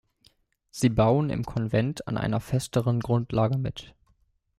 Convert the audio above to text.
Sie bauen im Konvent an einer festeren Grundlage mit.